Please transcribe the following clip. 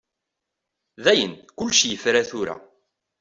Dayen kullec yefra tura.